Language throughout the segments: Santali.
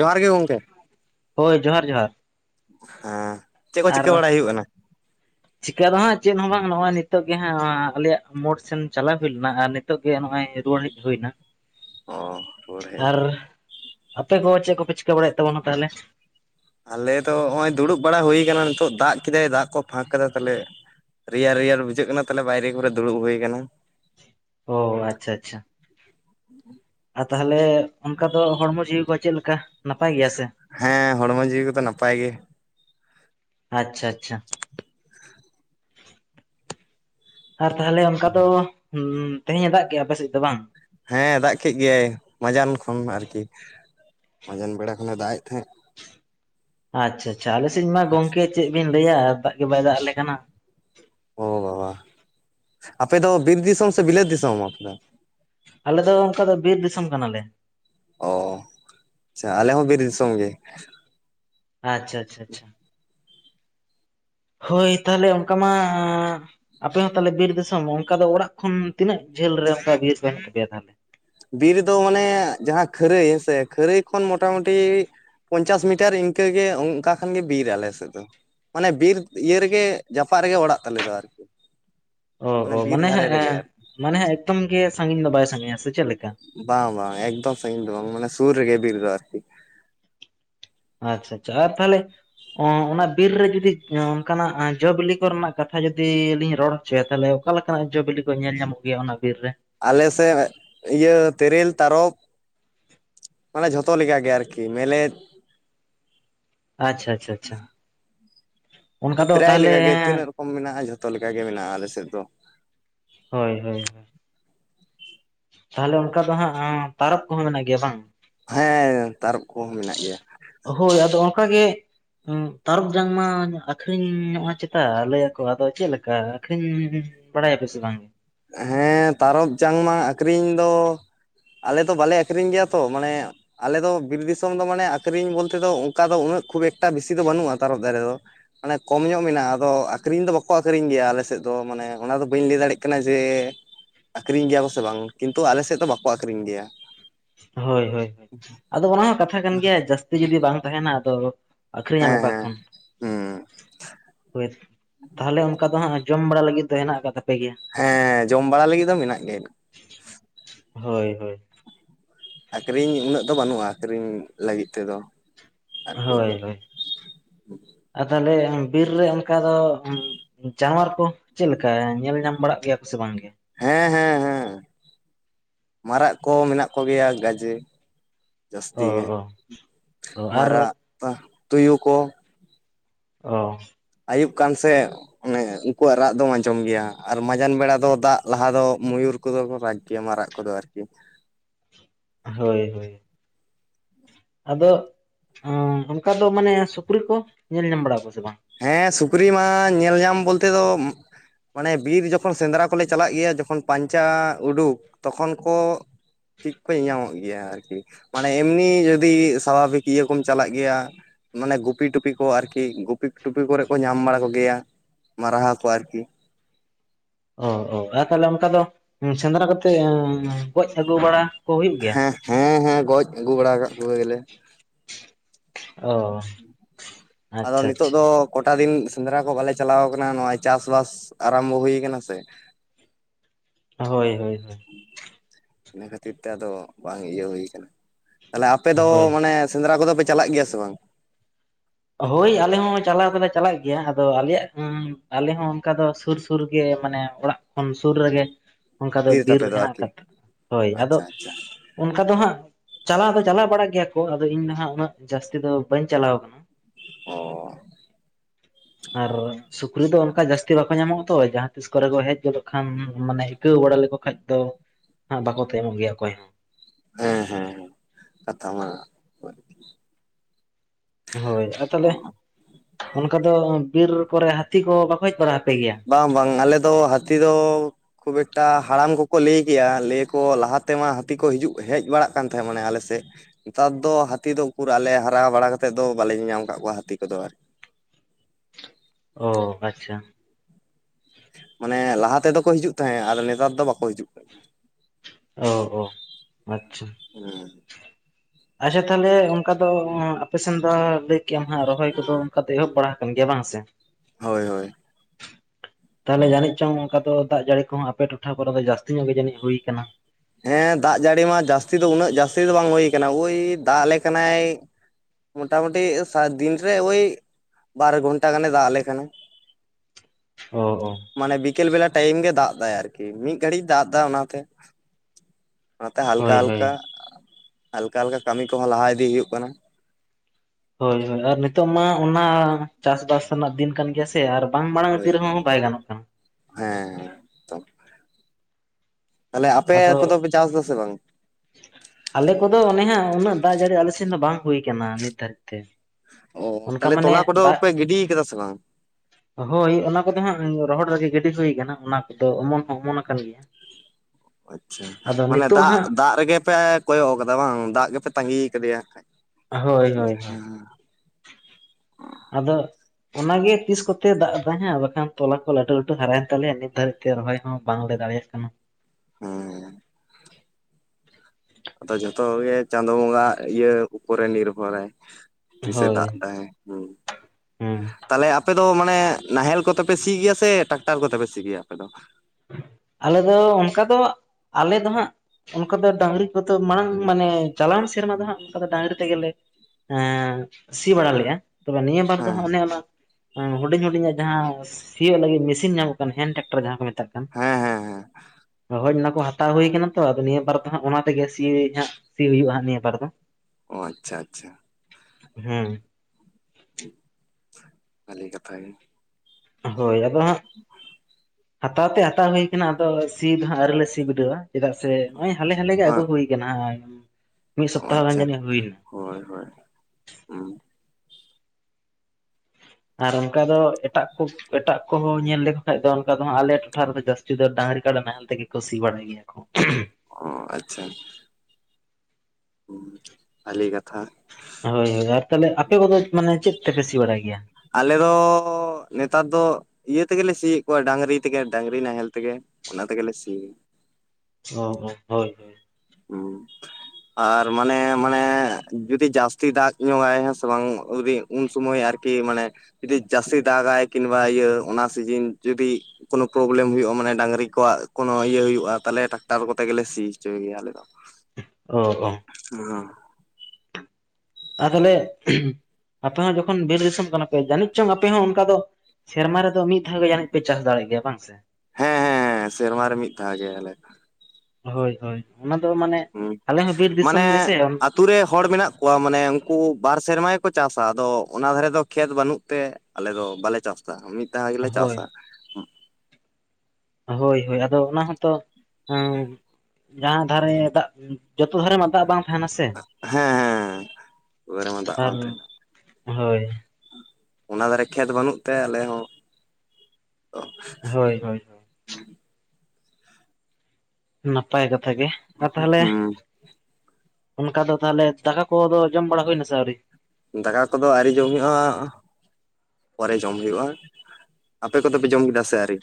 ᱡᱚᱦᱟᱨ ᱜᱮ ᱜᱚᱝᱠᱮ ᱦᱳᱭ ᱡᱚᱦᱟᱨ ᱡᱚᱦᱟᱨ ᱦᱮᱸ᱾ ᱪᱮᱫ ᱠᱚ ᱪᱤᱠᱟᱹ ᱵᱟᱲᱟᱭ ᱦᱩᱭᱩᱜ ᱠᱟᱱᱟ ᱪᱮᱠᱟ ᱫᱚ ᱦᱟᱸᱜ ᱪᱮᱫ ᱦᱚᱸ ᱵᱟᱝ ᱱᱚᱜᱼᱚᱭ ᱱᱤᱛᱚᱜ ᱜᱮ ᱦᱟᱸᱜ ᱟᱞᱮᱭᱟᱜ ᱢᱳᱲ ᱥᱮᱱ ᱪᱟᱞᱟᱣ ᱦᱩᱭ ᱞᱮᱱᱟ, ᱟᱨ ᱱᱤᱛᱚᱜ ᱜᱮ ᱱᱚᱜᱚᱭ ᱨᱩᱣᱟᱹᱲ ᱦᱮᱡ ᱦᱩᱭ ᱱᱟ᱾ ᱚ ᱨᱩᱣᱟᱹᱲ ᱦᱮᱡ ᱦᱩᱭ ᱟᱯᱮ ᱠᱚ ᱪᱮᱫ ᱠᱚᱯᱮ ᱪᱤᱠᱟᱹ ᱵᱟᱲᱟᱭᱮᱫ ᱛᱟᱵᱚᱱᱟ ᱛᱟᱦᱚᱞᱮ? ᱟᱞᱮ ᱫᱚ ᱱᱚᱜᱼᱚᱭ ᱫᱩᱲᱩᱵ ᱵᱟᱲᱟ ᱦᱩᱭ ᱠᱟᱱᱟ ᱱᱤᱛᱚᱜ ᱫᱟᱜ ᱠᱮᱫᱟᱭ ᱫᱟᱜ ᱠᱚ ᱯᱷᱟᱸᱠ ᱠᱮᱫᱟ ᱛᱟᱦᱚᱞᱮ ᱨᱮᱭᱟᱲ ᱨᱮᱭᱟᱲ ᱵᱩᱡᱷᱟᱹᱜ ᱠᱟᱱᱟ ᱛᱟᱦᱚᱞᱮ ᱵᱟᱭᱨᱮ ᱠᱚᱨᱮ ᱫᱩᱲᱩᱵ ᱦᱩᱭ ᱠᱟᱱᱟ᱾ ᱚ ᱟᱪᱪᱷᱟ ᱟᱪᱪᱷᱟ ᱟᱨ ᱛᱟᱦᱮᱞᱮ ᱚᱱᱠᱟ ᱫᱚ ᱦᱚᱲᱢᱚ ᱡᱤᱣᱤ ᱠᱚ ᱪᱮᱫ ᱞᱮᱠᱟ ᱱᱟᱯᱟᱭ ᱜᱮᱭᱟ ᱥᱮ ᱦᱮᱸ ᱦᱚᱲᱢᱚ ᱡᱤᱣᱤ ᱠᱚᱫᱚ ᱱᱟᱯᱟᱭ ᱜᱮ᱾ ᱟᱪᱪᱷᱟ ᱟᱪᱪᱷᱟ ᱟᱨ ᱛᱟᱦᱚᱞᱮ ᱚᱱᱠᱟ ᱫᱚ ᱛᱮᱦᱮᱧ ᱮ ᱫᱟᱜ ᱠᱮᱜᱼᱟ ᱟᱯᱮᱥᱮᱫ ᱫᱚ ᱵᱟᱝ ᱦᱮᱸ ᱫᱟᱜ ᱠᱮᱫ ᱜᱮᱭᱟᱭ ᱢᱟᱡᱟᱱ ᱠᱷᱚᱱ ᱟᱨᱠᱤ ᱢᱟᱡᱟᱱ ᱵᱮᱲᱟ ᱠᱷᱚᱱᱮ ᱫᱟᱜ ᱮᱫ ᱛᱟᱦᱮᱸᱫ ᱟᱪᱪᱷᱟ ᱟᱪᱪᱷᱟ ᱟᱞᱮ ᱥᱮᱫ ᱢᱟ ᱜᱚᱝᱠᱮ ᱪᱮᱫ ᱵᱤᱱ ᱞᱟᱹᱭᱟ ᱫᱟᱜ ᱜᱮ ᱵᱟᱭ ᱫᱟᱜ ᱟᱞᱮ ᱠᱟᱱᱟ ᱚ ᱵᱟᱵᱟ ᱟᱯᱮᱫᱚ ᱵᱤᱨ ᱫᱤᱥᱚᱢ ᱥᱮ ᱵᱤᱞᱟᱹᱛ ᱫᱤᱥᱚᱢ ᱟᱯᱮ ᱫᱚ ᱟᱞᱮ ᱫᱚ ᱚᱱᱠᱟ ᱫᱚ ᱵᱤᱨ ᱫᱤᱥᱚᱢ ᱠᱟᱱᱟᱞᱮ᱾ ᱚ ᱟᱪᱪᱷᱟ ᱟᱞᱮ ᱦᱚᱸ ᱵᱤᱨ ᱫᱤᱥᱚᱢ ᱜᱮ ᱟᱪᱪᱷᱟ ᱪᱷᱟ ᱪᱷᱟ᱾ ᱦᱚᱭ ᱛᱟᱦᱚᱞᱮ ᱚᱱᱠᱟ ᱢᱟᱻ ᱟᱯᱮ ᱦᱚᱸ ᱛᱟᱦᱚᱞᱮ ᱵᱤᱨ ᱫᱤᱥᱚᱢ ᱚᱱᱠᱟ ᱫᱚ ᱚᱲᱟᱜ ᱠᱷᱚᱱ ᱛᱤᱱᱟᱹᱜ ᱡᱷᱟᱹᱞ ᱨᱮ ᱚᱱᱠᱟ ᱵᱤᱨ ᱫᱚ ᱢᱮᱱᱟᱜ ᱛᱟᱯᱮᱭᱟ ᱛᱟᱦᱚᱞᱮ ᱵᱤᱨ ᱨᱮᱫᱚ ᱢᱟᱱᱮ ᱡᱟᱦᱟᱸ ᱠᱷᱟᱹᱨᱟᱹᱭ ᱦᱮᱸᱥᱮ ᱠᱷᱟᱹᱨᱟᱹᱭ ᱠᱷᱚᱱ ᱢᱚᱴᱟᱼᱢᱩᱴᱤ ᱯᱚᱧᱪᱟᱥ ᱢᱤᱴᱟᱨ ᱤᱱᱠᱟᱹ ᱜᱮ ᱚᱱᱠᱟ ᱠᱷᱟᱱᱜᱮ ᱵᱤᱨ ᱟᱞᱮ ᱥᱮᱫ ᱫᱚ ᱢᱟᱱᱮ ᱵᱤᱨ ᱤᱭᱟᱹ ᱨᱮᱜᱮ ᱡᱟᱯᱟᱜ ᱨᱮᱜᱮ ᱚᱲᱟᱜ ᱛᱟᱞᱮ ᱫᱚ ᱟᱨ ᱚ ᱚ ᱚᱱᱮ ᱵᱤᱨ ᱢᱟᱱᱮ ᱦᱟᱸᱜ ᱫᱷᱟᱨᱮ ᱨᱮᱜᱮ ᱟᱨ ᱢᱟᱱᱮ ᱦᱟᱸᱜ ᱮᱠᱫᱚᱢ ᱜᱮ ᱥᱟᱺᱜᱤᱧ ᱫᱚ ᱵᱟᱭ ᱥᱟᱺᱜᱤᱧᱟ ᱥᱮ ᱪᱮᱫ ᱞᱮᱠᱟ? ᱵᱟᱝ ᱵᱟᱝ ᱮᱠᱫᱚᱢ ᱥᱟᱺᱤᱧ ᱫᱚ ᱵᱟᱝ, ᱢᱟᱱᱮ ᱥᱩᱨ ᱨᱮᱜᱮ ᱵᱤᱨᱤ ᱫᱚ ᱟᱨᱠᱤ ᱟᱪᱪᱷᱟ ᱟᱪᱪᱷᱟ ᱟᱨ ᱛᱟᱦᱮᱞᱮ ᱚ ᱚᱱᱟ ᱵᱤᱨ ᱨᱮ ᱡᱩᱫᱤ ᱚᱱᱠᱟᱱᱟᱜ ᱡᱚ ᱵᱤᱞᱤ ᱠᱚᱨᱮᱱᱟᱜ ᱠᱟᱛᱷᱟ ᱡᱩᱫᱤ ᱞᱤᱧ ᱨᱚᱲᱟ ᱪᱮ ᱛᱟᱦᱚᱞᱮ ᱚᱠᱟ ᱞᱮᱠᱟᱱᱟᱜ ᱡᱚᱵᱤᱞᱤ ᱠᱚ ᱧᱮᱞ ᱧᱟᱢᱚᱜ ᱜᱮᱭᱟ ᱚᱱᱟ ᱵᱤᱨ ᱨᱮ? ᱟᱞᱮ ᱥᱮᱫ ᱤᱭᱟᱹ ᱛᱮᱹᱨᱮᱹᱞ ᱛᱟᱨᱚᱵ, ᱢᱟᱱᱮ ᱡᱷᱚᱛᱚ ᱞᱮᱠᱟ ᱜᱮ ᱟᱨᱠᱤ ᱢᱮᱞᱮᱫ ᱟᱪᱪᱷᱟ ᱪᱷᱟ ᱪᱷᱟ, ᱚᱱᱠᱟ ᱫᱚ ᱛᱟᱦᱚᱞᱮ ᱠᱚᱢ ᱢᱮᱱᱟᱜᱼᱟ ᱡᱷᱚᱛᱚ ᱞᱮᱠᱟ ᱜᱮ ᱢᱮᱱᱟᱜᱼᱟ ᱟᱞᱮ ᱥᱮᱫ ᱫᱚ᱾ ᱦᱳᱭ ᱦᱳᱭ ᱛᱟᱦᱚᱞᱮ ᱚᱱᱠᱟ ᱫᱚ ᱦᱟᱸᱜ ᱛᱟᱨᱚᱵᱽ ᱠᱚᱦᱚᱸ ᱢᱮᱱᱟᱜ ᱜᱮᱭᱟ ᱵᱟᱝ ᱦᱮᱸ ᱛᱟᱨᱚᱵ ᱠᱚᱦᱚᱸ ᱢᱮᱱᱟᱜ ᱜᱮᱭᱟ ᱦᱚᱭ ᱟᱫᱚ ᱚᱱᱠᱟ ᱜᱮ ᱛᱟᱨᱚᱯ ᱡᱟᱝ ᱢᱟ ᱟᱠᱷᱨᱤᱧᱚᱜᱼᱟ ᱪᱮᱛᱟ ᱞᱟᱹᱭᱟᱠᱚ ᱟᱫᱚ ᱪᱮᱜ ᱞᱮᱠᱟ ᱟᱠᱷᱨᱤᱧ ᱵᱟᱰᱟᱭᱟ ᱯᱮ ᱥᱮ ᱵᱟᱝ ᱦᱮᱸ ᱛᱟᱨᱚᱵ ᱡᱟᱝᱢᱟ ᱟᱹᱠᱷᱨᱤᱧ ᱫᱚ ᱟᱞᱮ ᱫᱚᱚ ᱵᱟᱞᱮ ᱟᱹᱠᱷᱨᱤᱧ ᱜᱮᱭᱟ ᱛᱚ ᱢᱟᱱᱮ ᱟᱞᱮᱚ ᱫᱚ ᱵᱤᱨ ᱫᱤᱥᱚᱢ ᱫᱚ ᱢᱟᱱᱮ ᱟᱠᱷᱨᱤᱧ ᱵᱚᱞᱛᱮ ᱫᱚ ᱚᱱᱠᱟ ᱫᱚ ᱩᱱᱟᱹᱜ ᱠᱷᱩᱵ ᱮᱠᱴᱟ ᱵᱮᱥᱤ ᱫᱚ ᱵᱟᱹᱱᱩᱜᱼᱟ ᱛᱟᱨᱵ ᱫᱟᱨᱮ ᱫᱚ᱾ ᱢᱟᱱᱮ ᱠᱚᱢ ᱧᱚᱜ ᱢᱮᱱᱟᱜᱼᱟ ᱟᱫᱚ ᱟᱠᱷᱨᱤᱧ ᱫᱚ ᱵᱟᱠᱚ ᱟᱹᱷᱨᱤᱧ ᱜᱮᱭᱟ ᱟᱞᱮᱥᱮᱫ ᱫᱚ ᱢᱟᱱᱮ ᱚᱱᱟᱫᱚ ᱵᱟᱹᱧ ᱞᱟᱹᱭ ᱫᱟᱲᱮᱜ ᱠᱟᱱᱟ ᱠᱟᱱᱟ ᱡᱮ ᱟᱠᱷᱨᱤᱧ ᱜᱮᱭᱟ ᱠᱚ ᱥᱮ ᱵᱟᱝ? ᱠᱤᱱᱛᱩ ᱟᱞᱮ ᱥᱮᱫ ᱫᱚ ᱵᱟᱠᱚ ᱟᱠᱷᱨᱤᱧ ᱜᱮᱭᱟ᱾ ᱦᱳᱭ ᱦᱳᱭ ᱟᱫᱚ ᱚᱱᱟ ᱦᱚᱸ ᱠᱟᱛᱷᱟ ᱠᱟᱱ ᱜᱮᱭᱟ ᱡᱟᱹᱥᱛᱤ ᱡᱩᱫᱤ ᱵᱟᱝ ᱛᱟᱦᱮᱱᱟ ᱟᱫᱚ ᱟᱹᱠᱷᱨᱤᱧᱟᱢ ᱦᱮᱸ ᱚᱠᱟ ᱦᱮᱸ ᱠᱷᱚᱱ ᱦᱩᱸ ᱦᱚᱭ ᱛᱟᱦᱚᱞᱮ ᱚᱱᱠᱟ ᱫᱚ ᱦᱟᱸᱜ ᱡᱚᱢ ᱵᱟᱲᱟ ᱞᱟᱹᱜᱤᱫ ᱫᱚ ᱦᱮᱱᱟᱜ ᱟᱠᱟᱫ ᱛᱟᱯᱮ ᱜᱮᱭᱟ ᱦᱮᱸ ᱡᱚᱢ ᱵᱟᱲᱟ ᱞᱟᱹᱜᱤᱫ ᱫᱚ ᱢᱮᱱᱟᱜ ᱜᱮᱭᱟ ᱦᱳᱭ, ᱦᱳᱭ᱾ ᱟᱹᱠᱷᱨᱤᱧ ᱩᱱᱟᱹᱜ ᱫᱚ ᱵᱟᱹᱱᱩᱜᱼᱟ ᱟᱹᱠᱷᱨᱤᱧ ᱞᱟᱹᱜᱤᱫ ᱛᱮᱫᱚ ᱟᱨᱠᱤ ᱦᱳᱭ ᱦᱳᱭ ᱟ ᱛᱟᱦᱚᱞᱮ ᱵᱤᱨ ᱨᱮ ᱚᱱᱠᱟ ᱫᱚ ᱡᱟᱱᱣᱟᱨ ᱠᱚ ᱪᱮᱫ ᱞᱮᱠᱟ ᱧᱮᱞ ᱧᱟᱢ ᱵᱟᱲᱟᱜ ᱜᱮᱭᱟ ᱠᱚ ᱥᱮ ᱵᱟᱝ ᱜᱮ ᱦᱮᱸ ᱦᱮᱸ ᱦᱮᱸ ᱢᱟᱨᱟᱜ ᱠᱚ ᱢᱮᱱᱟᱜ ᱠᱚᱜᱮᱭᱟ ᱜᱟᱡᱮ ᱚ ᱡᱟᱹᱥᱛᱤ ᱜᱮ ᱚ ᱚ ᱟᱨ ᱢᱟᱨᱟᱜ ᱛᱩᱭᱩ ᱠᱚ ᱚ ᱟᱹᱭᱩᱵ ᱠᱟᱱ ᱥᱮ ᱚᱱᱮ ᱩᱱᱠᱩᱣᱟᱜ ᱨᱟᱜ ᱫᱚᱢ ᱟᱸᱡᱚᱢ ᱜᱮᱭᱟ ᱟᱨ ᱢᱟᱡᱟᱱ ᱵᱮᱲᱟ ᱫᱚ ᱫᱟᱜ ᱞᱟᱦᱟ ᱫᱚ ᱢᱩᱭᱩᱨ ᱠᱩ ᱫᱚ ᱠᱚ ᱨᱟᱜᱽ ᱜᱮᱭᱟ ᱢᱟᱨᱟᱜ ᱠᱚᱫᱚ ᱟᱨᱠᱤ ᱦᱳᱭ ᱦᱳᱭ ᱟᱫᱚ ᱚᱱᱠᱟ ᱫᱚ ᱢᱟᱱᱮ ᱥᱩᱠᱨᱤ ᱠᱚ ᱧᱮᱞ ᱧᱟᱢ ᱵᱟᱲᱟᱠᱚ ᱥᱮ ᱵᱟᱝ ᱦᱮᱸ ᱥᱩᱠᱨᱤ ᱢᱟ ᱧᱮᱞ ᱧᱟᱢ ᱵᱚᱞᱛᱮ ᱫᱚ ᱢᱟᱱᱮ ᱵᱤᱨ ᱡᱚᱠᱷᱚᱱ ᱥᱮᱸᱫᱽᱨᱟ ᱠᱚᱞᱮ ᱪᱟᱞᱟᱜ ᱜᱮᱭᱟ ᱡᱚᱠᱷᱚᱱ ᱯᱟᱧᱪᱟ ᱩᱰᱩᱠ ᱛᱚᱠᱷᱚᱱ ᱠᱚ ᱴᱷᱤᱠ ᱠᱚᱧ ᱧᱟᱢᱟ [unintelligible] ᱟᱨᱠᱤ ᱢᱟᱱᱮ ᱮᱢᱱᱤ ᱡᱚᱫᱤ ᱥᱟᱵᱷᱟᱵᱤᱠ ᱤᱭᱟᱹ ᱠᱚᱢ ᱪᱟᱞᱟᱜ ᱜᱮᱭᱟ ᱢᱟᱱᱮ ᱜᱩᱯᱤ ᱴᱩᱯᱤ ᱠᱚ ᱟᱨᱠᱤ ᱜᱩᱯᱤ ᱴᱩᱯᱤ ᱠᱚᱨᱮ ᱠᱚ ᱧᱟᱢ ᱵᱟᱲᱟ ᱠᱚᱜᱮᱭᱟ ᱢᱟᱨᱦᱟᱣ ᱠᱩ ᱟᱨᱠᱤ ᱚ ᱚ ᱟᱨ ᱛᱟᱦᱚᱞᱮ ᱚᱱᱠᱟ ᱫᱚ ᱥᱮᱸᱫᱽᱨᱟ ᱠᱟᱛᱮᱜ ᱜᱚᱡ ᱟᱹᱜᱩ ᱵᱟᱲᱟ ᱠᱚ ᱦᱩᱭᱩᱜ ᱜᱮᱭᱟ? ᱦᱮᱸ ᱦᱮᱸ ᱦᱮᱸ ᱜᱚᱡ ᱟᱹᱜᱩ ᱵᱟᱲᱟ ᱠᱟᱜ ᱠᱚᱣᱟ ᱜᱮᱞᱮ ᱚ ᱟᱫᱚ ᱟᱪᱪᱷᱟ ᱱᱤᱛᱚᱜ ᱟᱪᱪᱷᱟ ᱫᱚ ᱜᱚᱴᱟ ᱫᱤᱱ ᱥᱮᱸᱫᱽᱨᱟ ᱠᱚ ᱵᱟᱞᱮ ᱪᱟᱞᱟᱣ ᱟᱠᱟᱱᱟ ᱱᱚᱜ ᱪᱟᱥᱵᱟᱥ ᱟᱨᱟᱢᱵᱚ ᱦᱩᱭ ᱟᱠᱟᱱᱟ ᱥᱮ ᱦᱳᱭ ᱦᱳᱭ ᱦᱳᱭ ᱤᱱᱟᱹ ᱠᱷᱟᱹᱛᱤᱨ ᱛᱮ ᱟᱫᱚ ᱵᱟᱝ ᱤᱭᱟᱹ ᱦᱩᱭ ᱠᱟᱱᱟ ᱛᱟᱦᱚᱞᱮ ᱟᱯᱮ ᱫᱚ ᱦᱳᱭ ᱢᱟᱱᱮ ᱥᱮᱸᱫᱽᱨᱟ ᱠᱚᱫᱚ ᱯᱮ ᱪᱟᱞᱟᱜ ᱜᱮᱭᱟ ᱥᱮ ᱵᱟᱝ? ᱦᱳᱭ ᱟᱞᱮ ᱦᱚᱸ ᱪᱟᱞᱟᱣ ᱫᱚᱞᱮ ᱪᱟᱞᱟᱜ ᱜᱮᱭᱟ, ᱟᱫᱚ ᱟᱞᱮᱭᱟᱜ ᱟᱞᱮ ᱦᱚᱸ ᱚᱱᱠᱟ ᱫᱚ ᱥᱩᱨ ᱥᱩᱨ ᱜᱮ ᱢᱟᱱᱮ ᱚᱲᱟᱜ ᱠᱷᱚᱱ ᱥᱩᱨ ᱨᱮᱜᱮ ᱚᱱᱠᱟ ᱫᱚ ᱵᱤᱨ ᱦᱮ ᱟᱠᱟᱫ ᱦᱳᱭ ᱟᱫᱚ ᱟᱪᱪᱷᱟ ᱟᱪᱪᱷᱟ ᱚᱱᱠᱟ ᱫᱚ ᱦᱟᱸᱜ ᱪᱟᱞᱟᱣ ᱫᱚ ᱪᱟᱞᱟᱣ ᱵᱟᱲᱟᱜ ᱜᱮᱭᱟ ᱠᱚ ᱟᱫᱚ ᱤᱧ ᱫᱚ ᱦᱟᱸᱜ ᱩᱱᱟᱹᱜ ᱡᱟᱹᱥᱛᱤ ᱫᱚ ᱵᱟᱹᱧ ᱪᱟᱞᱟᱣ ᱟᱠᱟᱱᱟ᱾ ᱚ ᱟᱨ ᱥᱩᱠᱨᱤ ᱫᱚ ᱚᱱᱠᱟ ᱡᱟᱹᱥᱛᱤ ᱵᱟᱠᱚ ᱧᱟᱢᱚᱜᱼᱟ ᱛᱚ ᱡᱟᱦᱟᱸ ᱛᱤᱱᱟᱹᱜ ᱤᱥ ᱠᱚᱨᱮ ᱠᱚ ᱦᱮᱡ ᱜᱚᱫᱚᱜ ᱠᱷᱟᱱ ᱢᱟᱱᱮ ᱟᱹᱭᱠᱟᱹᱣ ᱵᱟᱲᱟ ᱞᱮᱠᱚ ᱠᱷᱟᱱᱡ ᱫᱚ ᱵᱟᱠᱚ ᱛᱟᱭᱚᱢᱚᱜ ᱜᱮᱭᱟ ᱚᱠᱚᱭ ᱦᱚᱸ ᱦᱮᱸ ᱦᱮᱸ ᱠᱟᱛᱷᱟ ᱢᱟ ᱦᱳᱭ ᱛᱟᱦᱚᱞᱮ ᱚᱱᱠᱟ ᱫᱚ ᱵᱤᱨ ᱠᱚᱨᱮ ᱦᱟᱹᱛᱤ ᱠᱚ ᱵᱟᱠᱚ ᱦᱮᱡ ᱵᱟᱲᱟ ᱟᱯᱮ ᱜᱮᱭᱟ? ᱵᱟᱝ - ᱵᱟᱝ ᱟᱞᱮᱫᱚ ᱦᱟᱹᱛᱤ ᱫᱚ [unintelligible] ᱦᱟᱲᱟᱢ ᱠᱚᱠᱚ ᱞᱟᱹᱭ ᱠᱮᱭᱟ ᱞᱟᱹᱭ ᱟᱠᱚ ᱞᱟᱦᱟ ᱛᱮ ᱢᱟ ᱦᱟᱹᱛᱤ ᱠᱚ ᱦᱤᱡᱩᱜ ᱦᱮᱡ ᱵᱟᱲᱟᱜ ᱠᱟᱱ ᱛᱟᱦᱮᱸᱜ ᱢᱟᱱᱮ ᱟᱞᱮ ᱥᱮᱫ᱾ ᱱᱮᱛᱟᱨ ᱫᱚ ᱦᱟᱹᱛᱤ ᱫᱚ ᱩᱠᱩᱨ ᱟᱞᱮ ᱦᱟᱨᱟ ᱵᱟᱲᱟ ᱠᱟᱛᱮᱫ ᱫᱚ ᱵᱟᱞᱮ ᱧᱮᱞᱧᱟᱢ ᱠᱟᱜ ᱠᱚᱣᱟ ᱦᱟᱹᱛᱤ ᱠᱚᱫᱚ᱾ ᱟᱨᱠᱤ ᱚ ᱟᱪᱪᱷᱟ᱾ ᱢᱟᱱᱮ ᱞᱟᱦᱟ ᱛᱮᱫᱚ ᱠᱚ ᱦᱤᱡᱩᱜ ᱛᱟᱦᱮᱸᱜ ᱟᱫᱚ ᱱᱮᱛᱟᱨ ᱫᱚ ᱵᱟᱠᱚ ᱦᱤᱡᱩᱜ ᱠᱟᱱᱟ᱾ ᱚ ᱦᱚ ᱟᱪᱪᱷᱟ᱾ ᱦᱮᱸ ᱟᱪᱪᱷᱟ ᱛᱟᱞᱦᱮ ᱚᱱᱠᱟ ᱫᱚ ᱟᱯᱮ ᱥᱮᱱ ᱫᱚ ᱞᱟᱹᱭ ᱠᱮᱭᱟᱢ ᱦᱟᱸᱜ ᱨᱚᱦᱚᱭ ᱠᱚᱫᱚ ᱚᱱᱠᱟ ᱫᱚ, ᱮᱦᱚᱵ ᱵᱟᱲᱟ ᱠᱟᱱ ᱜᱮᱭᱟ ᱵᱟᱝ ᱥᱮ? ᱦᱳᱭ ᱦᱳᱭ ᱛᱟᱦᱚᱞᱮ ᱡᱟᱹᱱᱤᱡ ᱪᱚᱝ ᱚᱱᱠᱟ ᱫᱚ ᱫᱟᱜ ᱡᱟᱹᱲᱤ ᱠᱚᱦᱚᱸ ᱟᱯᱮ ᱴᱚᱴᱷᱟ ᱠᱚᱨᱮ ᱫᱚ ᱡᱟᱹᱥᱛᱤ ᱧᱚᱜ ᱜᱮ ᱡᱟᱹᱱᱤᱡ ᱦᱩᱭ ᱟᱠᱟᱱᱟ? ᱦᱮᱸ ᱫᱟᱜ ᱡᱟᱹᱲᱤ ᱢᱟ ᱡᱟᱹᱥᱛᱤ ᱫᱚ ᱩᱱᱟᱹᱜ ᱡᱟᱹᱥᱛᱤ ᱫᱚ ᱵᱟᱝ ᱦᱩᱭ ᱠᱟᱱᱟ, ᱳᱭ ᱫᱟᱜ ᱟᱞᱮ ᱠᱟᱱᱟᱭ ᱢᱚᱴᱟ ᱢᱩᱴᱤ ᱥᱟᱛ ᱫᱤᱱ ᱨᱮ ᱚᱭ [inaudible] ᱵᱟᱨ ᱜᱷᱚᱱᱴᱟ ᱜᱟᱱᱮ ᱫᱟᱜ ᱟᱞᱮ ᱠᱟᱱᱟ᱾ [inaudible] ᱚ - ᱚ ᱢᱟᱱᱮ ᱵᱤᱠᱮᱞ ᱵᱮᱞᱟ ᱴᱟᱭᱤᱢ ᱜᱮ ᱫᱟᱜ ᱮᱫᱟᱭ ᱟᱨᱠᱤ ᱢᱤᱫ ᱜᱷᱟᱹᱲᱤᱡ ᱫᱟᱜ ᱮᱫᱟ ᱚᱱᱟ ᱛᱮ᱾ ᱚᱱᱟᱛᱮ ᱦᱟᱞᱠᱟ ᱦᱳᱭ - ᱦᱳᱭ ᱦᱟᱞᱠᱟ [inaudible] ᱦᱟᱞᱠᱟ - ᱦᱟᱞᱠᱟ ᱠᱟᱹᱢᱤ ᱠᱚᱦᱚᱸ ᱞᱟᱦᱟ ᱤᱫᱤ ᱦᱩᱭᱩᱜ ᱠᱟᱱᱟ᱾ ᱦᱚᱭ - ᱦᱚᱭ ᱟᱨ ᱱᱤᱛᱚᱜ ᱢᱟ ᱚᱱᱟ ᱪᱟᱥ-ᱵᱟᱥ ᱨᱮᱱᱟᱜ ᱫᱤᱱ ᱠᱟᱱ ᱜᱮᱭᱟ ᱥᱮ᱾ ᱥᱮ ᱟᱨ ᱵᱟᱝ ᱢᱟᱲᱟᱝ ᱤᱫᱤ ᱦᱳᱭ ᱨᱮᱦᱚᱸ ᱵᱟᱭ ᱜᱟᱱᱚᱜ ᱠᱟᱱᱟ᱾ ᱦᱮᱸ ᱛᱟᱞᱦᱮ ᱟᱯᱮ ᱟᱫᱚ ᱠᱚᱫᱚᱯᱮ ᱪᱟᱥ ᱫᱟᱥᱮ ᱵᱟᱝ ᱟᱞᱮ ᱠᱚᱫᱚ ᱚᱱᱮ ᱦᱟᱸᱜ ᱩᱱᱟᱹᱜ ᱫᱟᱜ ᱡᱟᱹᱲᱤ ᱟᱞᱮ ᱥᱮᱱ ᱫᱚ ᱵᱟᱝ ᱦᱩᱭ ᱠᱟᱱᱟ ᱱᱤᱛ ᱫᱷᱟᱹᱨᱤᱡ ᱛᱮ ᱚ ᱚᱱᱠᱟ ᱛᱟᱞᱦᱮ ᱢᱟᱱᱮ ᱛᱚᱞᱟ ᱠᱚᱫᱚ ᱫᱟᱜ ᱯᱮ ᱜᱤᱰᱤᱭᱠᱟᱫᱟ ᱥᱮ ᱵᱟᱝ? ᱦᱳᱭ ᱚᱱᱟ ᱠᱚᱫᱚ ᱦᱟᱸᱜ ᱨᱚᱦᱚᱲ ᱨᱮᱜᱮ ᱜᱤᱰᱤ ᱦᱩᱭ ᱠᱟᱱᱟ ᱚᱱᱟ ᱠᱚᱫᱚ ᱚᱢᱚᱱ ᱦᱚᱸ ᱚᱢᱚᱱ ᱟᱠᱟᱱ ᱜᱮᱭᱟ [inaudible] ᱟᱪᱪᱷᱟ ᱟᱫᱚ ᱢᱟᱱᱮ ᱱᱤᱛᱚᱜ ᱫᱟᱜ ᱦᱟᱸᱜ ᱫᱟᱜ ᱨᱮᱜᱮ ᱯᱮ ᱠᱚᱭᱚᱜ ᱠᱟᱫᱟ ᱵᱟᱝ ᱫᱟᱜ ᱜᱮᱯᱮ ᱛᱟᱸᱜᱤ ᱠᱟᱫᱮᱭᱟ ᱦᱟᱸᱜ ᱠᱷᱟᱡ ᱦᱳᱭ ᱦᱳᱭ ᱦᱳᱭ [unintelligible] ᱟᱫᱚ ᱚᱱᱟᱜᱮ ᱛᱤᱥᱠᱚᱛᱮᱭ ᱫᱟᱜ ᱮᱫᱟ ᱦᱮᱸ ᱵᱟᱠᱷᱟᱱ ᱛᱚᱞᱟ ᱠᱚ ᱞᱟᱹᱴᱩ ᱞᱟᱹᱴᱩ ᱦᱟᱨᱟᱭᱮᱱ ᱛᱟᱞᱮᱭᱟ ᱱᱤᱛ ᱫᱷᱟᱹᱨᱤᱡ ᱛᱮ ᱨᱚᱦᱚᱭ ᱦᱚᱸ ᱵᱟᱝᱞᱮ ᱫᱟᱲᱮᱭᱟᱜ ᱠᱟᱱᱟ ᱦᱩᱸ ᱟᱫᱚ ᱡᱷᱚᱛᱚᱜᱮ ᱪᱟᱸᱫᱳ ᱵᱚᱸᱜᱟ ᱤᱭᱟᱹ ᱩᱯᱚᱨᱮ ᱱᱤᱨᱵᱷᱚᱨᱟᱭ ᱾ ᱛᱤᱥᱮ ᱦᱳᱭ ᱫᱟᱜ ᱫᱟᱭ, ᱦᱩᱸ ᱦᱩᱸ ᱛᱟᱦᱞᱮ ᱟᱯᱮ ᱫᱚ ᱢᱟᱱᱮ ᱱᱟᱦᱮᱞ ᱠᱚᱛᱮᱯᱮ ᱥᱤ ᱜᱮᱭᱟ ᱥᱮ ᱴᱟᱠᱴᱟᱨ ᱠᱚᱛᱮ ᱯᱮ ᱥᱤ ᱜᱮᱭᱟ ᱟᱯᱮ ᱫᱚ ᱟᱞᱮ ᱫᱚ ᱚᱱᱠᱟ ᱫᱚ ᱟᱞᱮ ᱫᱚ ᱦᱟᱸᱜ ᱚᱱᱠᱟ ᱫᱚ ᱰᱟᱝᱨᱤ ᱠᱚᱫᱚ ᱢᱟᱲᱟᱝ ᱢᱟᱱᱮ ᱡᱟᱞᱟᱣᱟᱱ ᱥᱮᱨᱢᱟ ᱫᱚ ᱦᱟᱸᱜ ᱚᱱᱠᱟ ᱫᱚ ᱰᱟᱝᱨᱤ ᱛᱮᱜᱮᱞᱮ ᱮᱸ ᱥᱤ ᱵᱟᱲᱟ ᱞᱮᱜᱼᱟ, ᱛᱚᱵᱮ ᱱᱤᱭᱟᱹ ᱵᱟᱨ ᱫᱚ ᱦᱮᱸ ᱦᱟᱸᱜ ᱚᱱᱮ ᱚᱱᱟ ᱮᱸ, ᱦᱩᱰᱤᱧ ᱦᱩᱰᱤᱧᱟᱜ ᱡᱟᱦᱟᱸ ᱥᱤᱭᱳᱜ ᱞᱟᱹᱜᱤᱫ ᱢᱮᱥᱤᱱ ᱧᱟᱢᱚᱜ ᱠᱟᱱᱟ ᱦᱮᱱ ᱴᱨᱟᱠᱴᱟᱨ ᱡᱟᱦᱟᱸ ᱠᱚ ᱢᱮᱛᱟᱜ ᱠᱟᱱ ᱠᱟᱱ ᱦᱮᱸ ᱦᱮᱸ ᱦᱮᱸ ᱦᱳᱭ ᱚᱱᱟ ᱠᱚ ᱦᱟ [unintelligible] ᱦᱟᱛᱟᱣ ᱦᱩᱭ ᱠᱟᱱᱟ ᱛᱚ ᱟᱫᱚ ᱱᱤᱭᱟᱹ ᱵᱟᱨ ᱫᱚ ᱦᱟᱸᱜ ᱚᱱᱟ ᱛᱮᱜᱮ ᱥᱤᱭᱟᱹᱧ ᱦᱟᱸᱜ, ᱥᱤ ᱦᱩᱭᱩᱜᱼᱟ ᱦᱟᱸᱜ ᱱᱤᱭᱟᱹ ᱵᱟᱨ ᱫᱚ ᱚ ᱟᱪᱪᱷᱟ ᱟᱪᱪᱷᱟ ᱦᱮᱸ ᱵᱷᱟᱞᱤ ᱠᱟᱛᱷᱟ ᱜᱮ ᱦᱳᱭ ᱟᱫᱚ ᱦᱟᱸᱜ [inaudible] ᱦᱟᱛᱟᱣ ᱛᱮᱫ ᱦᱟᱛᱟᱣ ᱦᱩᱭ ᱟᱠᱟᱱᱟ ᱟᱫᱚ ᱥᱤ ᱫᱚ ᱦᱟᱸᱟᱜ ᱟᱨᱮ ᱥᱤ ᱵᱤᱰᱟᱹᱣᱟ ᱪᱮᱫᱟᱜ ᱥᱮ ᱱᱚᱜ ᱚᱚᱭ ᱦᱟᱞᱮ ᱦᱟᱞᱮ ᱜᱮ ᱟᱹᱜᱩ ᱦᱮᱸ ᱦᱩᱭ ᱠᱟᱱᱟ ᱠᱟᱱᱟ, ᱢᱤᱫ ᱚ ᱥᱚᱯᱛᱟᱦᱚ ᱜᱟᱱ ᱟᱪᱪᱷᱟ ᱡᱟᱹᱱᱤᱡ ᱦᱩᱭᱱᱟ ᱦᱳᱭ -ᱦᱳᱭ ᱦᱩᱸ ᱾ ᱟᱨ ᱚᱝᱠᱟ ᱫᱚ ᱮᱴᱟᱜ ᱠᱚ ᱮᱴᱟᱜ ᱠᱚᱦᱚᱸ ᱧᱮᱞ ᱞᱮᱠᱚ ᱠᱷᱟᱡ ᱫᱚ ᱚᱱᱠᱟ ᱫᱚ ᱦᱟᱸᱜ ᱟᱞᱮ ᱴᱚᱴᱷᱟ ᱨᱮᱦᱚᱸ ᱡᱟᱹᱥᱛᱤ ᱠᱤᱪᱷᱩ ᱫᱚ ᱰᱟᱝᱨᱤ ᱠᱟᱰᱟ ᱱᱟᱦᱮᱞ ᱛᱮᱜᱮ ᱠᱚ ᱥᱤ ᱵᱟᱲᱟᱭ ᱜᱮᱭᱟ ᱾ ᱚ ᱟᱪᱪᱷᱟ ᱦᱩᱸ, ᱵᱷᱟᱞᱤ ᱠᱟᱛᱷᱟ ᱦᱳᱭ ᱦᱳᱭ ᱟᱨ ᱛᱟᱞᱦᱮ ᱟᱯᱮ ᱠᱚᱫᱚ ᱢᱟᱱᱮ ᱪᱮᱫ ᱛᱮᱯᱮ ᱥᱤ ᱵᱟᱲᱟᱭ ᱜᱮᱭᱟ ᱟᱞᱮᱚ ᱫᱚ ᱱᱮᱛᱟᱨ ᱫᱚ ᱤᱭᱟᱹ ᱛᱮᱜᱮᱞᱮ ᱥᱤᱭᱮᱫ ᱠᱚᱣᱟ ᱰᱟᱝᱨᱤ ᱛᱮᱜᱮ ᱰᱟᱝᱨᱤ ᱱᱟᱦᱮᱞ ᱛᱮᱜᱮ ᱚᱱᱟ ᱛᱮᱜᱮᱞᱮ ᱥᱤᱭᱟ ᱚ, ᱚ ᱦᱳᱭ ᱦᱳᱭ ᱦᱩᱸ ᱟᱨ ᱢᱟᱱᱮ ᱢᱟᱱᱮ ᱡᱩᱫᱤ ᱡᱟᱹᱥᱛᱤ ᱫᱟᱜ ᱧᱩᱚᱜᱟᱭ ᱦᱮᱸ ᱥᱮ ᱵᱟᱝ ᱡᱩᱫᱤ ᱩᱱ ᱥᱩᱢᱚᱭ ᱟᱨᱠᱤ ᱢᱟᱱᱮ ᱡᱩᱫᱤ ᱡᱟᱥᱛᱤ ᱫᱟᱜᱟᱭ ᱠᱤᱢᱵᱟ ᱤᱭᱟᱹ ᱚᱱᱟ ᱥᱤᱡᱤᱱ ᱡᱩᱫᱤ ᱠᱳᱱᱳ ᱯᱨᱚᱵᱽᱞᱮᱢ ᱦᱩᱭᱩᱜᱼᱟ ᱢᱟᱱᱮ ᱰᱟᱝᱨᱤ ᱠᱚᱣᱟᱜ ᱠᱳᱱᱳ ᱤᱭᱟᱹ ᱦᱩᱭᱩᱜᱼᱟ ᱛᱟᱞᱦᱮ ᱴᱨᱟᱠᱴᱟᱨ ᱠᱚᱛᱮ ᱜᱮᱞᱮ ᱥᱤ ᱦᱚᱪᱚᱭ ᱜᱮᱭᱟᱞᱮ [inaudible] ᱚ ᱚ ᱦᱚᱸ ᱟᱨ ᱛᱟᱞᱦᱮ [unintelligible] ᱟᱯᱮ ᱦᱚᱸ ᱡᱚᱠᱷᱚᱱ ᱵᱤᱨ ᱫᱤᱥᱚᱢ ᱠᱟᱱᱟ ᱯᱮ ᱡᱟᱹᱱᱤᱡ ᱪᱚᱝ ᱟᱯᱮ ᱦᱚᱸ ᱚᱱᱠᱟ ᱫᱚ ᱥᱮᱨᱢᱟ ᱨᱮᱫᱚ ᱢᱤᱫ ᱫᱷᱟᱣ ᱜᱮ ᱡᱟᱤᱡ ᱯᱮ ᱪᱟᱥ ᱫᱟᱲᱮᱭᱟᱜ ᱜᱮᱭᱟ ᱵᱟᱝ ᱥᱮ ᱦᱮᱸᱻᱦᱮᱸᱻᱦᱮᱸ ᱥᱮᱨᱢᱟ ᱨᱮ ᱢᱤᱫ ᱫᱷᱟᱣ ᱜᱮ ᱟᱞᱮ ᱫᱚ ᱾ ᱦᱳᱭ ᱦᱳᱭ ᱚᱱᱟ ᱫᱚ ᱢᱟᱱᱮ ᱟᱞᱮ ᱦᱚᱸ ᱵᱤᱨ ᱫᱤᱥᱚᱢ ᱜᱮᱥᱮ ᱟᱛᱳ ᱨᱮ ᱦᱚᱲ ᱢᱮᱱᱟᱜ ᱠᱚᱣᱟ ᱢᱟᱱᱮ ᱩᱱᱠᱩ ᱵᱟᱨ ᱥᱮᱨᱢᱟ ᱜᱮᱠᱚ ᱪᱟᱥᱟ᱾ᱟᱫᱚ ᱚᱱᱟ ᱫᱷᱟᱨᱮ ᱫᱚ ᱠᱷᱮᱛ ᱵᱟᱹᱱᱩᱜ ᱛᱮ ᱟᱞᱮ ᱫᱚ ᱵᱟᱞᱮ ᱪᱟᱥ-ᱟ ᱾ᱢᱤᱫ ᱫᱷᱟᱣ ᱜᱮᱞᱮ ᱦᱳᱭ ᱪᱟᱥᱟ᱾ ᱦᱳᱭ ᱦᱳᱭ ᱟᱫᱚ ᱚᱱᱟ ᱦᱚᱸᱛᱚ ᱡᱟᱦᱟᱸ ᱫᱷᱟᱨᱮ ᱫᱟᱜ ᱡᱚᱛᱚ ᱫᱷᱟᱨᱮ ᱢᱟ ᱫᱟᱜ ᱵᱟᱝ ᱦᱮᱸ ᱦᱮᱸ ᱚᱠᱟ ᱨᱮᱢᱟ ᱫᱟᱜ [inaudible] ᱟᱨ ᱵᱟᱝ ᱛᱟᱦᱮᱱᱟ ᱦᱳᱭ ᱚᱱᱟ ᱫᱟᱨᱮ ᱠᱷᱮᱛ ᱵᱟᱹᱱᱩᱜ ᱛᱮ ᱟᱞᱮ ᱦᱚᱸ ᱦᱳᱭ ᱦᱳᱭ ᱱᱟᱯᱟᱭ ᱠᱟᱛᱷᱟ ᱜᱮ ᱟᱨ ᱛᱟᱦᱞᱮ ᱦᱩᱸ ᱚᱱᱠᱟ ᱫᱚ ᱛᱟᱦᱚᱞᱮ ᱫᱟᱠᱟ ᱠᱚᱦᱚᱸ ᱫᱚ ᱡᱚᱢ ᱵᱟᱲᱟ ᱦᱩᱭᱱᱟ ᱥᱮ ᱟᱹᱣᱨᱤ ᱫᱟᱠᱟ ᱠᱚᱫᱚ ᱟᱣᱨᱤ ᱡᱚᱢ ᱦᱩᱭᱩᱜᱼᱟ ᱯᱚᱨᱮ ᱡᱚᱢ [unintelligible] ᱦᱩᱭᱩᱜᱼᱟ ᱟᱯᱮ ᱠᱚᱫᱚ ᱯᱮ ᱡᱚᱢ ᱠᱮᱫᱟ ᱥᱮ ᱟᱣᱨᱤ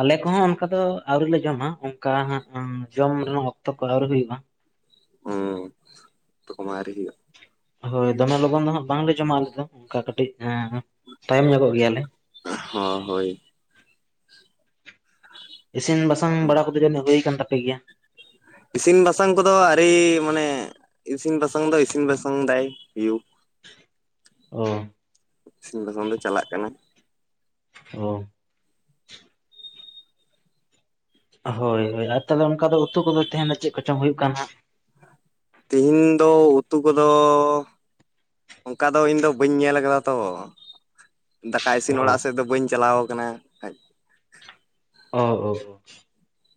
ᱟᱞᱮ ᱠᱚᱦᱚᱸ ᱚᱱᱠᱟ ᱫᱚ ᱟᱹᱣᱨᱤ ᱞᱮ ᱡᱚᱢᱟ, ᱚᱱᱠᱟ ᱦᱟ ᱡᱚᱢ ᱨᱮᱱᱟᱜ ᱚᱠᱛᱚ ᱠᱚ ᱟᱹᱣᱨᱤ ᱦᱩᱭᱩᱜᱼᱟ᱾ ᱦᱩᱸ ᱩᱛᱩ ᱠᱚᱢᱟ ᱟᱣᱨᱤ ᱦᱩᱭᱩᱜ ᱦᱳᱭ ᱫᱚᱢᱮ ᱞᱚᱜᱚᱱ ᱫᱚ ᱦᱟᱸᱜ ᱵᱟᱝᱞᱮ ᱡᱚᱢᱟ, ᱟᱞᱮ ᱫᱚ ᱚᱱᱠᱟ ᱠᱟᱹᱴᱤᱡ ᱛᱟᱭᱚᱢ ᱧᱚᱜᱚᱜ ᱜᱮᱭᱟᱞᱮ ᱦᱚ ᱦᱳᱭ᱾ ᱤᱥᱤᱱ ᱵᱟᱥᱟᱝ ᱵᱟᱲᱟ ᱠᱚᱫᱚ ᱡᱟᱱᱤᱡ ᱦᱩᱭ ᱠᱟᱱ ᱛᱟᱯᱮ ᱜᱮᱭᱟ? ᱤᱥᱤᱱ ᱵᱟᱥᱟᱝ ᱠᱚᱫᱚ ᱟᱹᱨᱤ, ᱢᱟᱱᱮ ᱤᱥᱤᱱ ᱵᱟᱥᱟᱝ ᱫᱚ ᱤᱥᱤᱱ ᱵᱟᱥᱟᱝ ᱫᱟᱭ ᱭᱩ ᱚ ᱤᱥᱤᱱ ᱵᱟᱥᱟᱝ ᱫᱚ ᱪᱟᱞᱟᱜ ᱠᱟᱱᱟ᱾ ᱚ ᱦᱳᱭ ᱦᱳᱭ ᱟᱨ ᱛᱟᱦᱚᱞᱮ ᱚᱱᱠᱟ ᱫᱚ ᱩᱛᱩ ᱠᱚᱫᱚ ᱛᱮᱦᱮᱱ ᱪᱮᱫ ᱠᱚᱪᱚᱝ ᱦᱩᱭᱩᱜ ᱠᱟᱱᱟ ᱦᱟᱸᱜ ᱛᱤᱦᱤᱧ ᱫᱚ ᱩᱛᱩ ᱠᱚᱫᱚ ᱚᱱᱠᱟ ᱫᱚ ᱤᱧ ᱫᱚ ᱵᱟᱹᱧ ᱧᱮᱞ ᱟᱠᱟᱫᱟ ᱛᱚ, ᱫᱟᱠᱟ ᱤᱥᱤᱱ ᱚ ᱚᱲᱟᱜ ᱥᱮᱫ ᱫᱚ ᱵᱟᱹᱧ ᱪᱟᱞᱟᱣ ᱟᱠᱟᱱᱟ᱾ ᱚ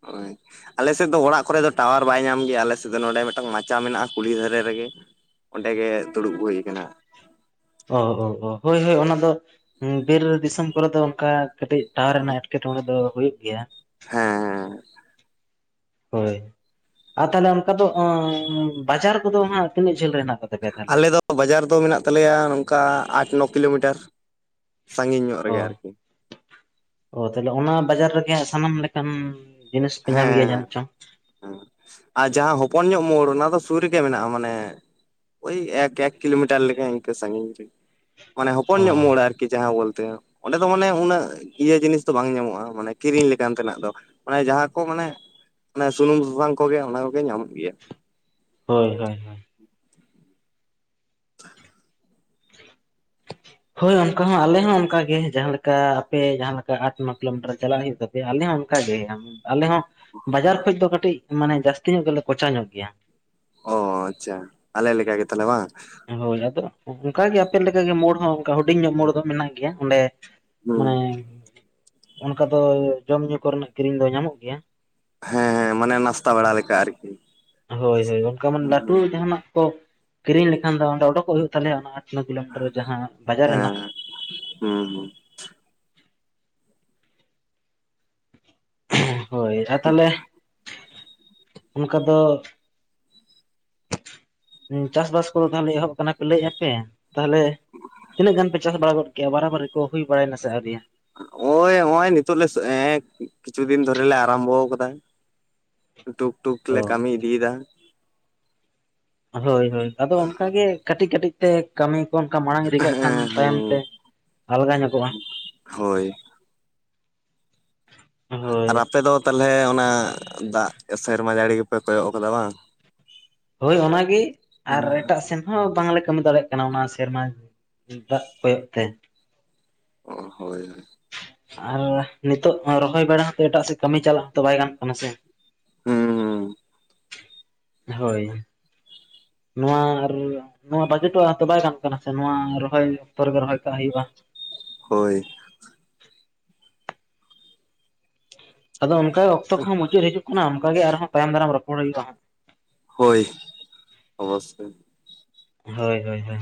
[unintelligible] ᱟᱞᱮ ᱥᱮᱫ ᱫᱚ ᱚᱲᱟᱜ ᱠᱚᱨᱮ ᱫᱚ ᱴᱟᱣᱟᱨ ᱵᱟᱭ ᱧᱟᱢ ᱜᱮᱭᱟ ᱾ᱟᱞᱮ ᱥᱮᱫ ᱫᱚ ᱱᱚᱸᱰᱮ ᱢᱤᱫᱴᱟᱝ ᱢᱟᱪᱟ ᱢᱮᱱᱟᱜᱼᱟ ᱾ᱠᱩᱞᱦᱤ ᱫᱷᱟᱨᱮ ᱨᱮᱜᱮ ᱚᱸᱰᱮ ᱜᱮ ᱫᱩᱲᱩᱵ ᱦᱩᱭ ᱠᱟᱱᱟ᱾ ᱚ ᱚ ᱚ ᱦᱳᱭ ᱦᱳᱭ ᱚᱱᱟ ᱫᱚ ᱵᱤᱨ ᱫᱤᱥᱚᱢ ᱠᱚᱨᱮ ᱫᱚ ᱚᱱᱠᱟ ᱠᱟᱹᱴᱤᱡ ᱴᱟᱣᱟᱨ ᱨᱮᱱᱟᱜ ᱮᱸᱴᱠᱮ ᱴᱚᱸᱲᱮ ᱫᱚ ᱦᱩᱭᱩᱜ ᱜᱮᱭᱟ᱾ ᱦᱮᱸ ᱦᱮᱸ ᱦᱳᱭ᱾ ᱟᱨ ᱛᱟᱦᱚᱞᱮ ᱚᱱᱠᱟ ᱫᱚ ᱵᱟᱡᱟᱨ ᱠᱚᱫᱚ ᱦᱟᱸᱜ ᱛᱤᱱᱟᱹᱜ ᱡᱷᱟᱹᱞ ᱨᱮ ᱦᱮᱱᱟᱜ ᱛᱟᱞᱮᱭᱟ? ᱟᱞᱮ ᱫᱚ ᱵᱟᱡᱟᱨ ᱫᱚ ᱢᱮᱱᱟᱜ ᱛᱟᱞᱮᱭᱟ, ᱱᱚᱝᱠᱟ ᱟᱴ ᱱᱚ ᱠᱤᱞᱳᱢᱤᱴᱟᱨ᱾ ᱥᱟᱺᱜᱤᱧ ᱧᱚᱜ ᱚ ᱨᱮᱜᱮ ᱟᱨᱠᱤ ᱚ ᱛᱟᱦᱚᱞᱮ ᱚᱱᱟ ᱵᱟᱡᱟᱨ ᱨᱮᱜᱮ ᱥᱟᱱᱟᱢ ᱞᱮᱠᱟᱱ, ᱡᱤᱱᱤᱥ ᱯᱮ ᱧᱟᱢ ᱜᱮᱭᱟ ᱦᱮᱸ ᱡᱟᱱᱤᱡ ᱪᱚᱝ ᱦᱮᱸ ᱟᱨ ᱡᱟᱦᱟᱸ ᱦᱚᱯᱚᱱ ᱧᱚᱜ ᱢᱳᱲ ᱚᱱᱟ ᱫᱚ ᱥᱩᱨ ᱨᱮᱜᱮ ᱢᱮᱱᱟᱜᱼᱟ ᱢᱟᱱᱮ ᱳᱭ ᱮᱠ, ᱮᱠ ᱠᱤᱞᱳᱢᱤᱴᱟᱨ ᱞᱮᱠᱟ ᱤᱱᱠᱟᱹ ᱥᱟᱺᱜᱤᱧ ᱨᱮ ᱢᱟᱱᱮ ᱦᱚᱯᱚᱱ ᱚ ᱧᱚᱜ ᱢᱳᱲ ᱟᱨᱠᱤ ᱠᱤ ᱡᱟᱦᱟᱸ ᱵᱚᱞᱛᱮ ᱚᱸᱰᱮ ᱫᱚ ᱢᱟᱱᱮ ᱩᱱᱟᱹᱜ ᱤᱭᱟᱹ ᱡᱤᱱᱤᱥ ᱫᱚ ᱵᱟᱝ ᱧᱟᱢᱚᱜᱼᱟ᱾ ᱢᱟᱱᱮ ᱠᱤᱨᱤᱧ ᱞᱮᱠᱟᱱ ᱛᱮᱱᱟᱜ ᱫᱚ᱾ ᱢᱟᱱᱮ ᱡᱟᱦᱟᱸ ᱠᱚ ᱢᱟᱱᱮ ᱥᱩᱱᱩᱢ ᱥᱟᱥᱟᱝ ᱠᱚᱜᱮ ᱚᱱᱟ ᱠᱚᱜᱮ ᱧᱟᱢᱚᱜ ᱜᱮᱭᱟ᱾ ᱦᱳᱭ ᱦᱳᱭ [unintelligible] [unintelligible] ᱦᱳᱭ ᱚᱱᱠᱟ ᱦᱚᱸ ᱟᱞᱮ ᱦᱚᱸ ᱚᱱᱠᱟ ᱜᱮ ᱡᱟᱦᱟᱸ ᱞᱮᱠᱟ ᱟᱯᱮ ᱡᱟᱦᱟᱸ ᱞᱮᱠᱟ ᱟᱴ ᱱᱚ ᱠᱤᱞᱳᱢᱤᱴᱟᱨ ᱪᱟᱞᱟᱜ ᱦᱩᱭᱩᱜ ᱛᱟᱯᱮ᱾ ᱟᱞᱮ ᱦᱚᱸ ᱚᱱᱠᱟ ᱜᱮ ᱟᱞᱮ ᱦᱚᱸ ᱵᱟᱡᱟᱨ ᱠᱷᱚᱱ ᱫᱚ ᱠᱟᱹᱴᱤᱡ ᱢᱟᱱᱮ ᱡᱟᱹᱥᱛᱤ ᱧᱚᱜ ᱜᱮᱞᱮ ᱠᱚᱪᱟ ᱧᱚᱜ ᱜᱮᱭᱟ᱾ ᱚ ᱟᱪᱪᱷᱟ ᱟᱞᱮ ᱞᱮᱠᱟ ᱜᱮ ᱛᱟᱞᱚᱦᱮ ᱵᱟᱝ ᱦᱳᱭ ᱟᱫᱚ ᱚᱱᱠᱟᱜᱮ ᱟᱯᱮ ᱞᱮᱠᱟ ᱜᱮ, ᱢᱳᱲ ᱦᱚᱸ ᱚᱱᱠᱟ ᱦᱩᱰᱤᱧ ᱧᱚᱜ ᱢᱳᱲ ᱫᱚ ᱢᱮᱱᱟᱜ ᱜᱮᱭᱟ ᱚᱸᱰᱮ ᱢᱟᱱᱮ ᱦᱩᱸ ᱚᱱᱠᱟ ᱫᱚ ᱡᱚᱢ ᱧᱩ ᱠᱚᱨᱮᱱᱟᱜ ᱠᱤᱨᱤᱧ ᱫᱚ ᱧᱟᱢᱚᱜ ᱜᱮᱭᱟ᱾ ᱦᱮᱸ ᱦᱮᱸ ᱢᱟᱱᱮ ᱱᱟᱥᱛᱟ ᱵᱮᱲᱟ ᱞᱮᱠᱟ ᱟᱨᱠᱤ ᱦᱳᱭ ᱦᱳᱭ ᱚᱱᱠᱟ ᱢᱟᱱᱮ ᱞᱟᱹᱴᱩ ᱡᱟᱦᱟᱱᱟᱜ ᱠᱚ ᱠᱤᱨᱤᱧ ᱞᱮᱠᱷᱟᱱ ᱫᱚ ᱚᱰᱚᱠᱚᱜ ᱦᱩᱭᱩᱜ ᱛᱟᱞᱮᱭᱟ ᱚᱱᱟ ᱦᱟᱴ [inaudible] ᱠᱤᱞᱳᱢᱤᱴᱟᱨ ᱡᱟᱦᱟᱸ ᱵᱟᱡᱟᱨ ᱦᱮᱱᱟ ᱦᱮᱸ ᱦᱩᱸ ᱦᱩᱸ ᱦᱳᱭ ᱟᱨ ᱛᱟᱦᱚᱞᱮ ᱚᱱᱠᱟ ᱫᱚ [inaudible] ᱦᱚᱸ ᱪᱟᱥᱵᱟᱥ ᱠᱚᱫᱚ ᱛᱟᱦᱞᱮ ᱮᱦᱚᱵ ᱟᱠᱟᱱᱟ ᱯᱮ ᱞᱟᱹᱭ ᱟᱯᱮ᱾ ᱛᱟᱦᱟᱞᱮ ᱛᱤᱱᱟᱹᱜ ᱜᱟᱱ ᱯᱮ ᱪᱟᱥ ᱵᱟᱲᱟ ᱜᱚᱫ ᱠᱮᱭᱟ ᱵᱟᱨᱟ ᱵᱟᱨᱤ ᱠᱚ ᱦᱩᱭ ᱵᱟᱲᱟᱭᱮᱱᱟ ᱥᱮ ᱟᱹᱶᱨᱤᱭᱟ? ᱱᱚᱜᱼᱚᱭ ᱱᱚᱜᱼᱚᱭ ᱱᱤᱛᱚᱜ ᱞᱮ ᱠᱤᱪᱷᱩ ᱫᱤᱱ ᱫᱷᱚᱨᱮ ᱞᱮ ᱟᱨᱟᱢᱵᱷᱚ ᱟᱠᱟᱫᱟ᱾ ᱴᱩᱠ ᱴᱩᱠ ᱚ ᱞᱮ ᱠᱟᱹᱢᱤ ᱤᱫᱤᱭᱮᱫᱟ᱾ ᱦᱳᱭ ᱦᱳᱭ ᱟᱫᱚ ᱚᱱᱠᱟᱜᱮ ᱠᱟᱹᱴᱤᱡ ᱠᱟᱹᱴᱤᱡ ᱛᱮ ᱠᱟᱹᱢᱤ ᱚᱱᱠᱟ ᱢᱟᱲᱟᱝ ᱤᱫᱤ ᱠᱟᱜ ᱠᱷᱟᱱ ᱦᱮᱸ ᱛᱟᱭᱚᱢ ᱛᱮ ᱟᱞᱜᱟ ᱧᱚᱜᱚᱜᱼᱟ᱾ ᱦᱳᱭ ᱦᱳᱭ ᱟᱨ ᱟᱯᱮ ᱫᱚ ᱛᱟᱦᱚᱞᱮ ᱚᱱᱟ ᱫᱟᱜ ᱥᱮᱨᱢᱟ ᱡᱟᱹᱲᱤ ᱜᱮᱯᱮ ᱠᱚᱭᱚᱜ ᱠᱟᱫᱟ ᱵᱟᱝ? ᱦᱳᱭ ᱚᱱᱟᱜᱮ ᱟᱨ ᱮᱴᱟᱜ ᱥᱮᱱ ᱦᱚᱸ ᱵᱟᱝᱞᱮ ᱠᱟᱹᱢᱤ ᱫᱟᱲᱮᱭᱟᱜ ᱠᱟᱱᱟ ᱚᱱᱟ ᱥᱮᱨᱢᱟ ᱫᱟᱜ [unintelligible] ᱛᱮ ᱚ ᱦᱳᱭ ᱦᱳᱭ ᱟᱨ ᱱᱤᱛᱚᱜ ᱨᱚᱦᱚᱭ ᱵᱟᱲᱟ ᱦᱚᱸᱛᱚ ᱮᱴᱟᱜ ᱥᱮᱫ ᱠᱟᱹᱢᱤ ᱪᱟᱞᱟᱜ ᱦᱚᱸᱛᱚ ᱵᱟᱭ ᱜᱟᱱᱚᱜ ᱠᱟᱱᱟ ᱥᱮ ᱦᱩᱸᱦᱩᱸ ᱦᱳᱭ ᱱᱚᱣᱟ ᱟᱨ, ᱱᱚᱣᱟ ᱵᱟᱜᱤ ᱦᱚᱴᱚᱣᱟᱜ ᱦᱚᱸ ᱛᱚ ᱵᱟᱭ ᱜᱟᱱᱚᱜ ᱠᱟᱱᱟ ᱥᱮ ᱱᱚᱣᱟ ᱨᱚᱦᱚᱭ ᱚᱠᱛᱚ ᱨᱮᱜᱮ ᱨᱚᱦᱚᱭ ᱠᱟᱜ ᱦᱩᱭᱩᱜᱼᱟ᱾ ᱦᱳᱭ ᱟᱫᱚ ᱚᱱᱠᱟᱜᱮ ᱚᱠᱛᱚ ᱠᱚ ᱦᱚᱸ ᱢᱩᱪᱟᱹᱫ ᱦᱤᱡᱩᱜ ᱠᱟᱱᱟ ᱚᱱᱠᱟ ᱜᱮ ᱟᱨᱦᱚᱸ ᱛᱟᱭᱚᱢ ᱫᱟᱨᱟᱢ ᱨᱚᱯᱚᱲ ᱦᱩᱭᱩᱜᱼᱟ᱾ ᱦᱳᱭ ᱚᱵᱚᱥᱥᱚᱭ ᱦᱳᱭ ᱦᱳᱭ ᱦᱳᱭ